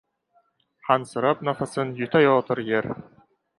Hansirab nafasin yutayotir yer